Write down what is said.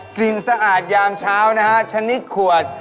กลิ่นสะอาดยามเช้านะฮะชนิดขวด